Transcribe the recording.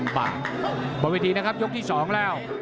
ประวิธีนะครับยกที่๒แล้ว